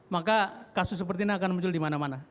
maka kasus seperti ini akan muncul dimana mana